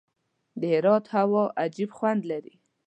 د هرات هوا عجیب خوند لري.